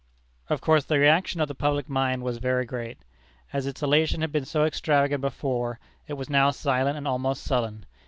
Of course the reaction of the public mind was very great. As its elation had been so extravagant before, it was now silent and almost sullen.